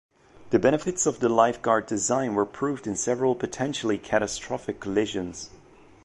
The benefits of the Lifeguard design were proved in several potentially catastrophic collisions.